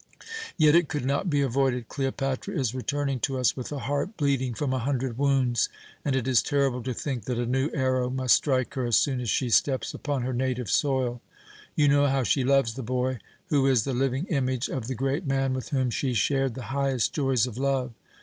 Yet it could not be avoided. Cleopatra is returning to us with a heart bleeding from a hundred wounds, and it is terrible to think that a new arrow must strike her as soon as she steps upon her native soil. You know how she loves the boy, who is the living image of the great man with whom she shared the highest joys of love.